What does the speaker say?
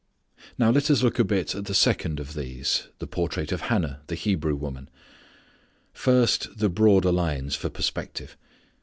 Now let us look a bit at the second of these, the portrait of Hannah the Hebrew woman. First the broader lines for perspective.